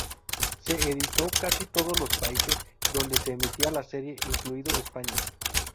Se editó en casi todos los países donde se emitía la serie, incluido España.